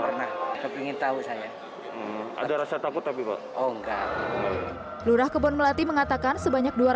pernah ingin tahu saya ada rasa takut tapi oh enggak lurah kebon melati mengatakan sebanyak dua ratus